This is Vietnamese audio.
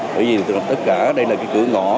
bởi vì tất cả đây là cái cửa ngõ